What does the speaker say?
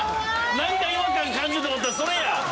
何か違和感感じると思ったらそれや！